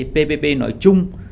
ppp nói chung